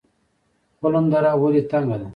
خلم دره ولې تنګه ده؟